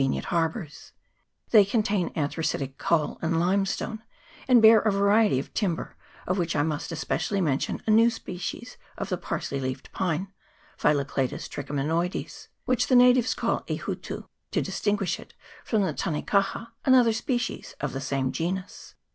nient harbours; they contain anthracitic coal and limestone, and bear a variety of timber, of which I must especially mention a new species of the parsley leafed pine (Phyllocladus trichomanoides), which the natives call E Hutu, to distinguish it from the tane kaha, another species of the same genus.